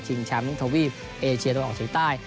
ชิงแชมพ์ทวีปเอเชียนออกสุดใต้